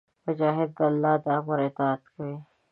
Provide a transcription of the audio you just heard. مجاهد د الله د امر اطاعت کوي.